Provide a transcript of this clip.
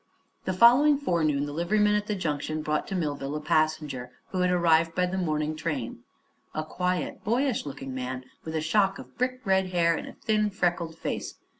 The following forenoon the liveryman at the Junction brought to Millville a passenger who had arrived by the morning train a quiet, boyish looking man with a shock of brick red hair and a thin, freckled face.